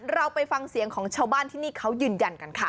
เราไปฟังเสียงของชาวบ้านที่นี่เขายืนยันกันค่ะ